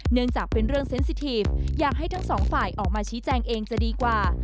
เนื่องจากเป็นเรื่องเซ็นสิทีฟอยากให้ทั้งสองฝ่ายออกมาชี้แจงเองจะดีกว่า